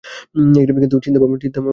কিন্তু চিন্তাভাবনা আদীমকালের।